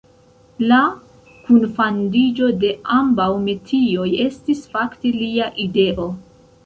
La kunfandiĝo de ambaŭ metioj estis fakte lia ideo.